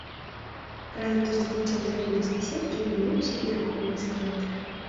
Разам з развіццём тралейбуснай сеткі мяняўся і рухомы склад.